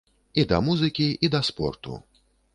І да музыкі, і да спорту.